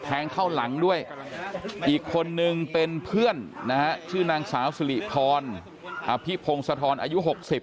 เข้าหลังด้วยอีกคนนึงเป็นเพื่อนนะฮะชื่อนางสาวสิริพรอภิพงศธรอายุ๖๐